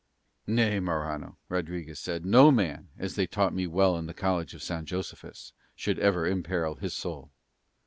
"Nay, Morano," Rodriguez said, "no man, as they taught me well in the College of San Josephus, should ever imperil his soul."